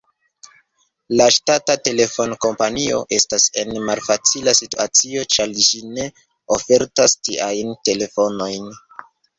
La ŝtata telefonkompanio estas en malfacila situacio, ĉar ĝi ne ofertas tiajn telefonojn.